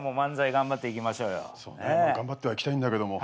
頑張ってはいきたいんだけども。